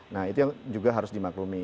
nah itu yang juga harus dimaklumi